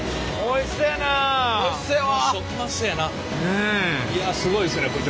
いやすごいっすね部長。